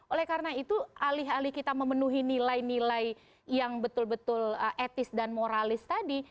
oleh karena itu alih alih kita memenuhi nilai nilai yang betul betul etis dan moralis tadi